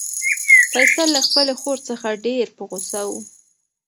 فیصل له خپلې خور څخه ډېر په غوسه و.